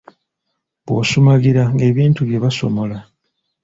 Bw’osumagira ng’ebintu byo basomola.